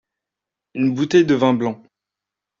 Une bouteille de vin blanc.